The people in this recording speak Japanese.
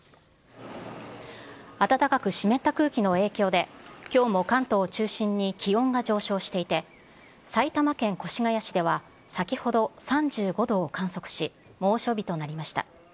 暖かく湿った空気の影響で、きょうも関東を中心に気温が上昇していて、埼玉県越谷市では先ほど３５度を観測し、猛暑日となりました。